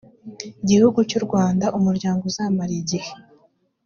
gihugu cy u rwanda umuryango uzamara igihe